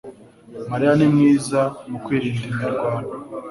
mariya ni mwiza mu kwirinda imirwano